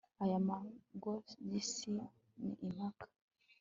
Aya masogisi ni impaka